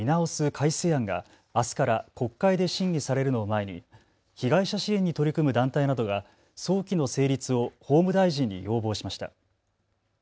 改正案が、あすから国会で審議されるのを前に被害者支援に取り組む団体などが早期の成立を法務大臣に要望しました。